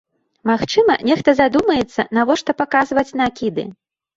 Магчыма, нехта задумаецца, навошта паказваць накіды.